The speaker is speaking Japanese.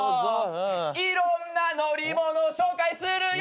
「いろんな乗り物紹介するよ」